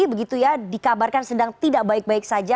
begitu ya dikabarkan sedang tidak baik baik saja